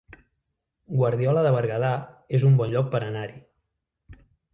Guardiola de Berguedà es un bon lloc per anar-hi